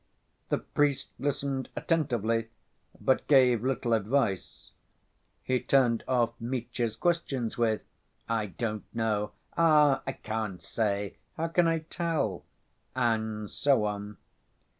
The priest listened attentively, but gave little advice. He turned off Mitya's questions with: "I don't know. Ah, I can't say. How can I tell?" and so on.